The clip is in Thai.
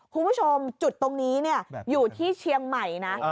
คุณผู้ชมจุดตรงนี้อยู่ที่เชียงใหม่นะ